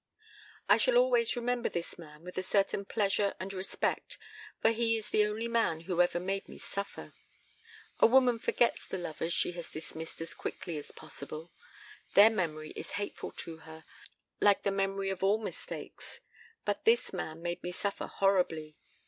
"I shall always remember this man with a certain pleasure and respect, for he is the only man who ever made me suffer. A woman forgets the lovers she has dismissed as quickly as possible. Their memory is hateful to her, like the memory of all mistakes. But this man made me suffer horribly.